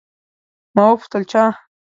ما وپوښتل، چا؟